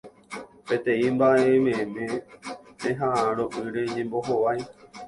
Peteĩ mba'eme'ẽ reha'ãrõ'ỹre ñembohovái